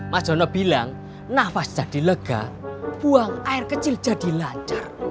mas jono bilang nafas jadi lega buang air kecil jadi lancar